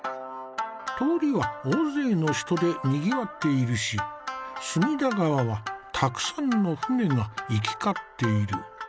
通りは大勢の人でにぎわっているし隅田川はたくさんの舟が行き交っている。